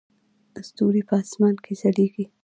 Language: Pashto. ستوري په اسمان کې ځلیږي